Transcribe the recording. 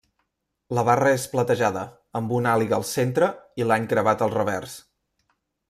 La barra és platejada amb una àliga al centre i l'any gravat al revers.